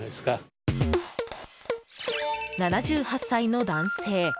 ７８歳の男性。